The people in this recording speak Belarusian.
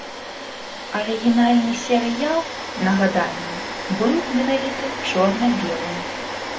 Арыгінальны серыял, нагадаем, быў менавіта чорна-белым.